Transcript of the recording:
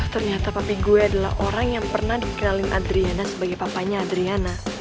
ternyata papa gue adalah orang yang pernah dikenalin adriana sebagai papanya adriana